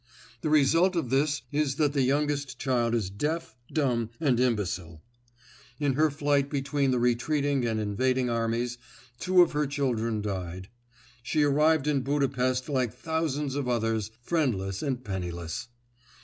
The result of this is that the youngest child is deaf, dumb and imbecile. In her flight between the retreating and invading armies, two of her children died. She arrived in Budapest like thousands of others, friendless and penniless.